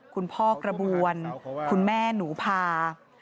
คุณพ่อกระบวนคุณแม่หนูพา